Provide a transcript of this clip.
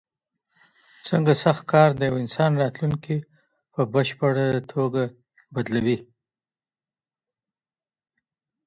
څنګه سخت کار د یوه انسان راتلونکی په بشپړه توګه بدلوي؟